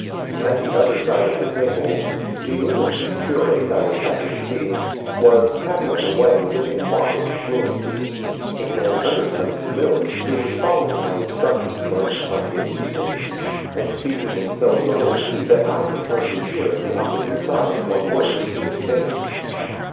At the other side of the table, the little pink curate, I was happy to see, was prattling away, with a modest fluency, in an under tone to Milly, who was following my instructions most conscientiously, and speaking in so low a key that I could hardly hear at the opposite side one word she was saying.